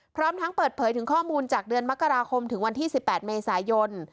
พร้อมทั้งเปิดเผยถึงข้อมูลจากเดือนมกราคมถึงวันที่๑๘เมษายน